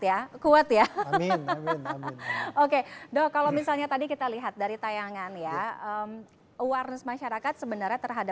ya kuat ya hahaha oke dok kalau misalnya tadi kita lihat dari tayangan ya awareness masyarakat sebenarnya terhadap